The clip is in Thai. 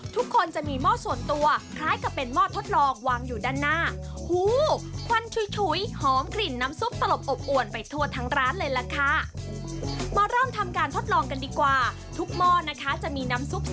ทุกคนจะมีหม้อส่วนตัวคล้ายกับเป็นหม้อทดลองวางอยู่ด้านหน้า